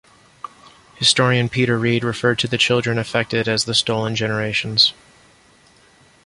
Historian Peter Read referred to the children affected as the "Stolen Generations".